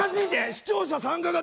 視聴者参加型。